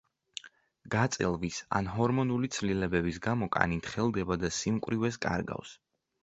გაწელვის ან ჰორმონული ცვლილებების გამო კანი თხელდება და სიმკვრივეს კარგავს.